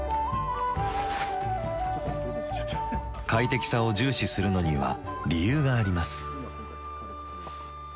快適さを重視するのには理由があります。